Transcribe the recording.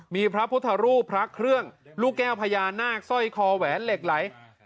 มีพระพุทธรูปพระเครื่องลูกแก้วพญานาคสร้อยคอแหวนเหล็กไหล